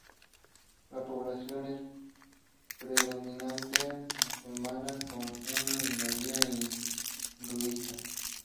La población es predominantemente musulmana con una minoría hinduista.